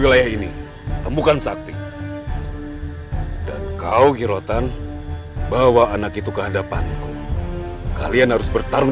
wilayah ini temukan sakti dan kau girotan bawa anak itu ke hadapanku kalian harus bertarung